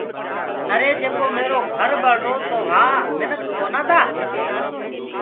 آري جيڪو ميرو گھر ٻݪرو تو وهآ منک ڪونآ تآ